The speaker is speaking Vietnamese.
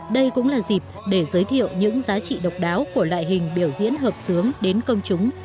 đây cũng là dịp để giới thiệu những giá trị độc đáo của loại hình biểu diễn hợp sướng đến công chúng